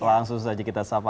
langsung saja kita salam